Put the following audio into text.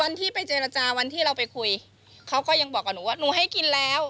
วันที่ไปเจรจาวันที่เราไปคุยเขาก็ยังบอกกับหนูว่าหนูให้กินแล้ว